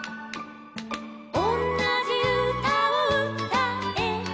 「おんなじうたをうたえば」